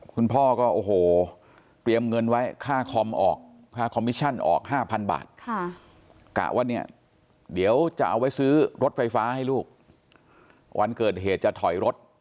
คุณพ่อก็โอ้โหเตรียมเงินไว้ค่าคอมออกค่าคอมมิชชั่นออก๕๐๐๐บาท